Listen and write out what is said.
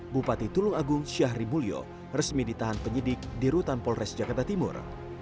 bupati tulung agung syahri mulyo resmi ditahan penyidik di rutan polres jakarta timur